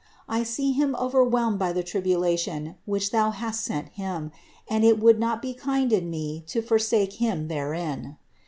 I see him overwhelmed by the tribulation, which Thou hast sent him, and it would not be kind in me to forsake him therein.